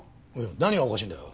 何がおかしいんだよ？